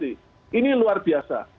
ini luar biasa